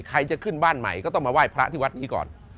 ใครจะขึ้นบ้านใหม่ก็ต้องมาไหว้พระที่วัดนี้ก่อน